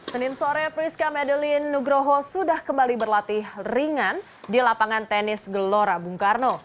senin sore priska medelin nugroho sudah kembali berlatih ringan di lapangan tenis gelora bung karno